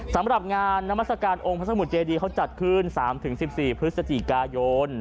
สำหรับงานนามัศกาลองค์พระสมุทรเจดีเขาจัดขึ้น๓๑๔พฤศจิกายน